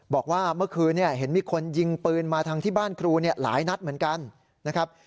บอกว่าเมื่อคืนเห็นมีคนยิงปืนมาทางที่บ้านครูหลายนัดเหมือนกันนะครับ